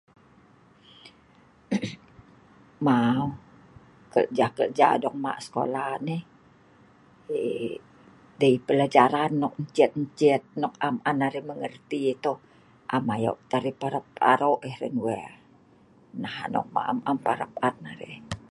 um mau keja-keja dong mah' sekolah nah um dei' peljaran nok encet-encet nok am an arai mengelti ai tao, am ayo tah arai parap aro' ai hran wee.